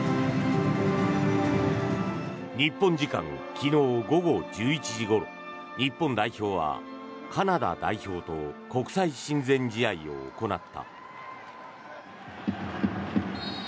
日本時間昨日午後１１時ごろ日本代表はカナダ代表と国際親善試合を行った。